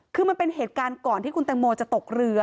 คือมันเป็นเหตุการณ์ก่อนที่คุณแตงโมจะตกเรือ